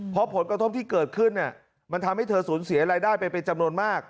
เพราะผลกระทบที่เกิดขึ้นมันทำให้เธอสูญเสียรายได้ไปเป็นจำนวนมาก